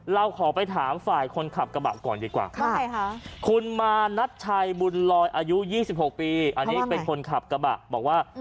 เราขอไปถามฝ่ายคนขับกระบะก่อนดีกว่าคุณมานัทชัยบุญลอยอายุ๒๖ปีอันนี้เป็นคนขับกระบะบอกว่า